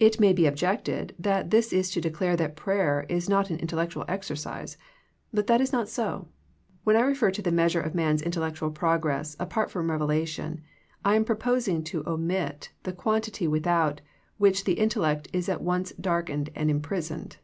It may be objected that this is to declare that prayer is not an intellectual exercise, but that is not so. When I refer to the measure of man's intellectual progress apart from revelation I am proposing to omit the quantity without which the intellect is at once darkened and imprisoned.